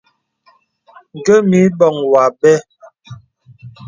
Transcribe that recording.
Ǹgə mə ìbɔŋ wɔ àbə.